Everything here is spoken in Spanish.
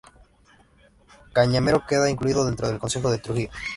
Cañamero queda incluido dentro del concejo de Trujillo.